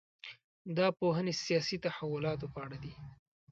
دا پوهنې سیاسي تحولاتو په اړه دي.